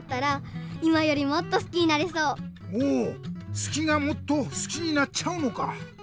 すきがもっとすきになっちゃうのか。